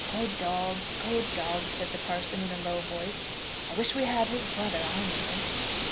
"Good dog, good dog," said the parson, in a low voice. "I wish we had his brother, I know."